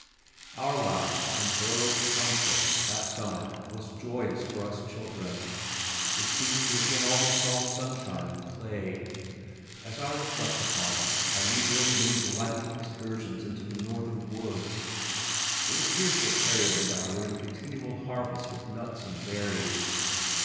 Our life in Burr Oak township that summer was joyous for us children. It seems to have been almost all sunshine and play. As I reflect upon it I relive many delightful excursions into the northern woods. It appears that Harriet and I were in continual harvest of nuts and berries.